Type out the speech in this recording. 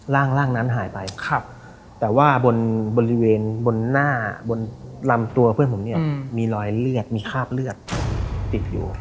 ร่างนั้นหายไปแต่ว่าบนบริเวณบนหน้าบนลำตัวเพื่อนผมเนี่ยมีรอยเลือดมีคราบเลือดติดอยู่